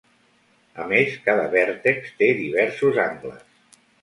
A més, cada vèrtex té diversos angles.